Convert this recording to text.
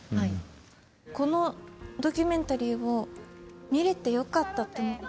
このドキュメンタリーを見れてよかったって思って。